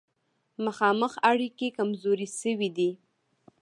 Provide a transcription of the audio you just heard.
مخامخ اړیکې کمزورې شوې دي.